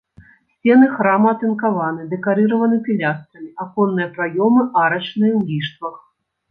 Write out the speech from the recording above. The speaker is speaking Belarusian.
Сцены храма атынкаваны, дэкарыраваны пілястрамі, аконныя праёмы арачныя ў ліштвах.